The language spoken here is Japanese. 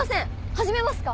始めますか。